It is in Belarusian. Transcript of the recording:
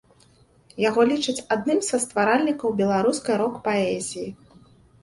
Яго лічаць адным са стваральнікаў беларускай рок-паэзіі.